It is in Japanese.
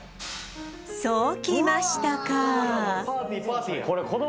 そうきましたか！